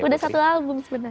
udah satu album sebenarnya